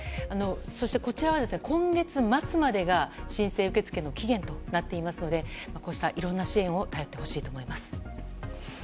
そして、今月末までが申請受付の期限なのでこうしたいろんな支援を頼ってほしいと思います。